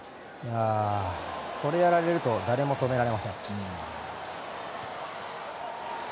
これやられるとだれも止められません。